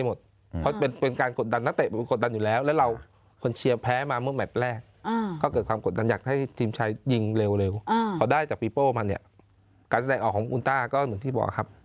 มันเนี่ยการแสดงออกของคุณต้าก็เหมือนที่บอกครับ